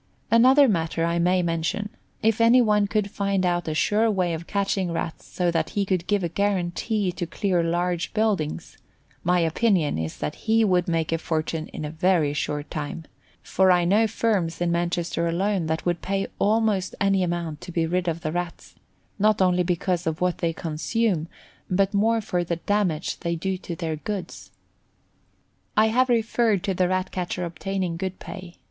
Another matter I may mention. If any one could find out a sure way of catching Rats so that he could give a guarantee to clear large buildings, my opinion is that he would make a fortune in a very short time; for I know firms in Manchester alone that would pay almost any amount to be rid of the Rats; not only because of what they consume, but more for the damage they do to their goods. I have referred to the Rat catcher obtaining good pay.